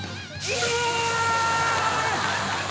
うわ！